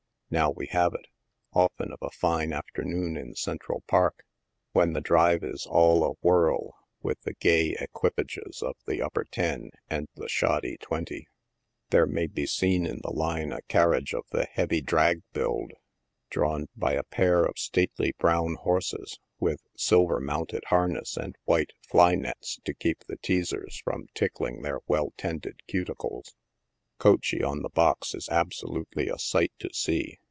Now we have it. Often of a fine after noon in Central Park, when the Drive is all a whirl with the gay equipages of the Upper Ten and the Shoddy Twenty, there may be seen in the line a carriage of the heavy " drag" build, drawn by a pair of stately brown horses, with silver mounted harness, and white fly nets to keep the teasers from tickling their well tended cuticles. Coachey on the box is absolutely a sight to see.